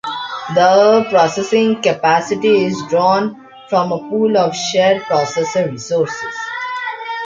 The processing capacity is drawn from a pool of shared processor resources.